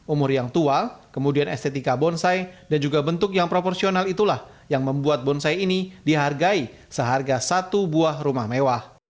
umur yang tua kemudian estetika bonsai dan juga bentuk yang proporsional itulah yang membuat bonsai ini dihargai seharga satu buah rumah mewah